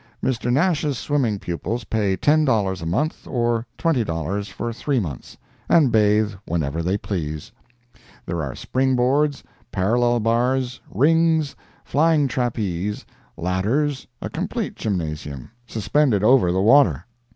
Mr. Nash's swimming pupils pay $10 a month or $20 for 3 months, and bathe whenever they please. There are spring boards, parallel bars, rings, flying trapeze, ladders—a complete gymnasium—suspended over the water.